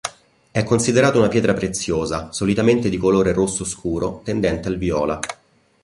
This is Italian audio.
È considerato una pietra preziosa solitamente di colore rosso scuro tendente al viola.